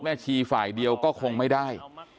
ชีฝ่ายเดียวก็คงไม่ได้